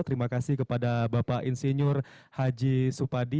terima kasih kepada bapak insinyur haji supadi